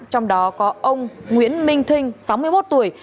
trong đó có ông nguyễn minh thinh sáu mươi một tuổi